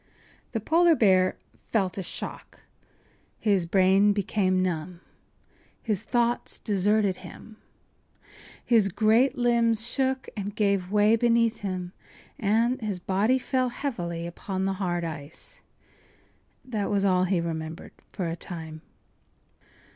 ” The polar bear felt a shock; his brain became numb; his thoughts deserted him; his great limbs shook and gave way beneath him and his body fell heavily upon the hard ice. That was all he remembered for a time.